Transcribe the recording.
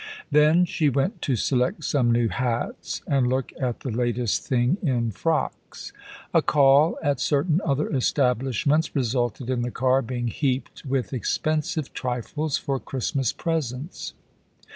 Then she went to select some new hats, and look at the latest thing in frocks. A call at certain other establishments resulted in the car being heaped with expensive trifles for Christmas presents.